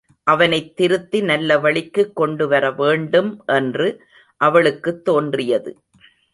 அவனைத் திருத்தி நல்லவழிக்குக் கொண்டு வரவேண்டும் என்று அவளுக்குத் தோன்றியது.